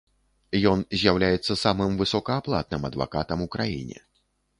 Ён з'яўляецца самым высокааплатным адвакатам у краіне.